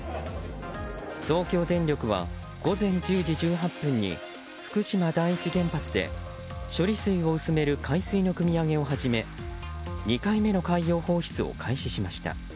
東京電力は午前１０時１８分に福島第一原発で処理水を薄める海水のくみ上げを始め２回目の海洋放出を開始しました。